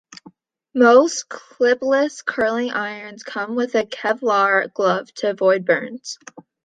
Most clipless curling irons come with a Kevlar glove to avoid burns.